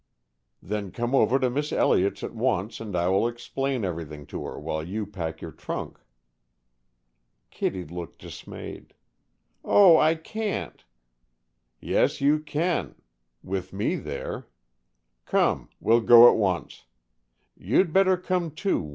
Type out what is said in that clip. "Then come over to Miss Elliott's at once, and I will explain everything to her while you pack your trunk." Kittie looked dismayed. "Oh, I can't, " "Yes, you can, with me there. Come, we'll go at once. You'd better come, too.